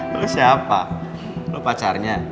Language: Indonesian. lo siapa lo pacarnya